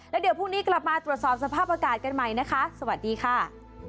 แล้วเดี๋ยวพรุ่งนี้กลับมาตรวจสอบสภาพอากาศกันใหม่นะคะสวัสดีค่ะ